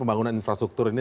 pembangunan infrastruktur ini